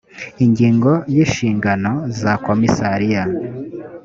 ingingo ya inshingano za komisariya